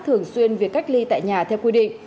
thường xuyên việc cách ly tại nhà theo quy định